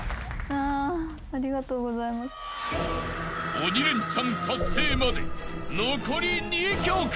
［鬼レンチャン達成まで残り２曲］